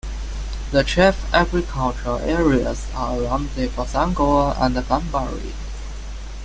The chief agricultural areas are around the Bossangoa and Bambari.